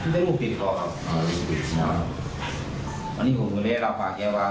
สว่างคุณเขานะครับอ๋อมันผู้จะสว่าง